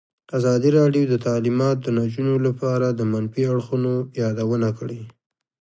ازادي راډیو د تعلیمات د نجونو لپاره د منفي اړخونو یادونه کړې.